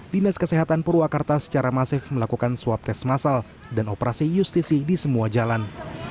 dinas kesehatan purwakarta secara masif melakukan swab tes masal dan operasi justisi di semua jalan